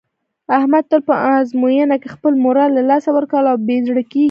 احمد تل په ازموینه کې خپل مورال له لاسه ورکوي او بې زړه کېږي.